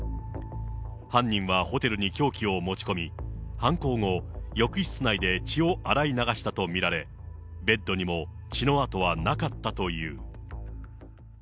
犯人はホテルに凶器を持ち込み、犯行後、浴室内で血を洗い流したと見られ、ベッドにも血の跡はなかったという。